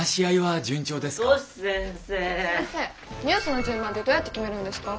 先生ニュースの順番ってどうやって決めるんですか？